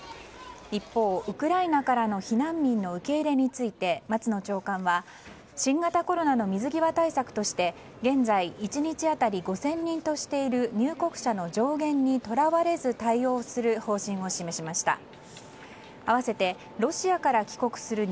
一方、ウクライナからの避難民の受け入れについて松野長官は新型コロナの水際対策として現在１日当たり５０００人としている入国者の上限にとらわれず対応する方針を示しました。